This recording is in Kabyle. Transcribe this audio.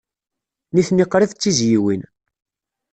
Nitni qrib d tizzyiwin.